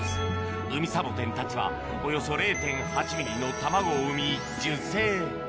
ウミサボテンたちはおよそ０．８ｍｍの卵を産み受精